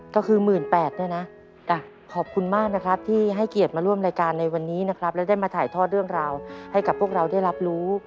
ก็คือ๑๘๐๐เนี่ยนะขอบคุณมากนะครับที่ให้เกียรติมาร่วมรายการในวันนี้นะครับและได้มาถ่ายทอดเรื่องราวให้กับพวกเราได้รับรู้